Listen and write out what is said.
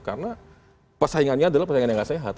karena persaingannya adalah persaingannya nggak sehat